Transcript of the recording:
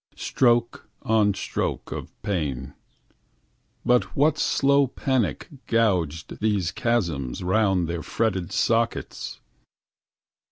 Stroke on stroke of pain, but what slow panic, Gouged these chasms round their fretted sockets?